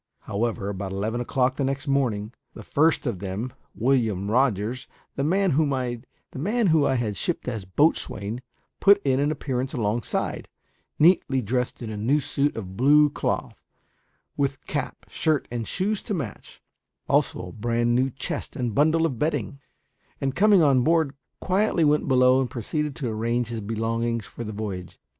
However, about eleven o'clock the next morning, the first of them William Rogers, the man whom I had shipped as boatswain put in an appearance alongside, neatly dressed in a new suit of blue cloth, with cap, shirt, and shoes to match; also a brand new chest and bundle of bedding; and coming on board, quietly went below and proceeded to arrange his belongings for the voyage.